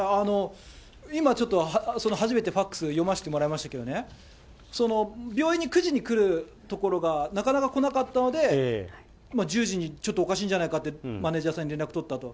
今、ちょっと、初めてそのファックス読ませてもらいましたけれどもね、病院に９時に来るところがなかなか来なかったので、１０時にちょっとおかしいんじゃないかってマネージャーさんに連絡取ったと。